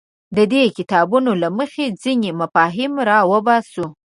د دې کتابونو له مخې ځینې مفاهیم راوباسو.